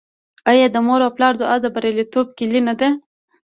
آیا د مور او پلار دعا د بریالیتوب کیلي نه ده؟